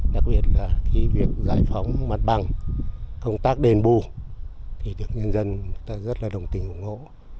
đặc biệt là cái việc giải phóng mặt bằng công tác đền bù thì được nhân dân ta rất là đồng tình ủng hộ